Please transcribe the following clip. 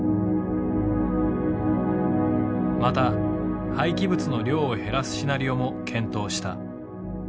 また廃棄物の量を減らすシナリオも検討した。